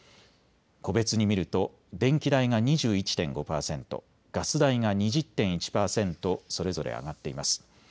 個別に見ると電気代が２１．５％、ガス代が２０．１％それぞれ上がっています。